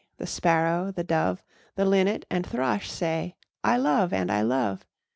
The Sparrow, the Dove, The Linnet and Thrush say, 'I love and I love!'